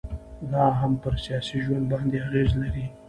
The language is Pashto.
دا هم پر سياسي ژوند باندي اغيزي لري